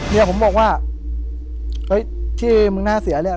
เมียผมบอกว่าเอ๊ะเฉยมึงหน้าเสียและ